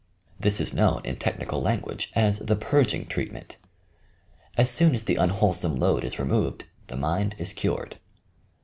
This is known in technical language as the "Purging Treatment." As soon as the unwholesome load is removed, the mind is cured.